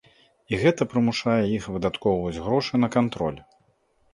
І гэта прымушае іх выдаткоўваць грошы на кантроль.